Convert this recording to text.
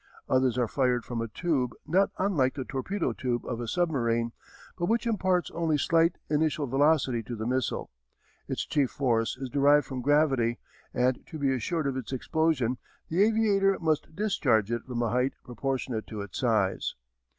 Others are fired from a tube not unlike the torpedo tube of a submarine, but which imparts only slight initial velocity to the missile. Its chief force is derived from gravity, and to be assured of its explosion the aviator must discharge it from a height proportionate to its size.